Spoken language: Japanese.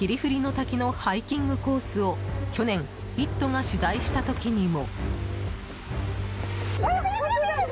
滝のハイキングコースを去年、「イット！」が取材した時にも。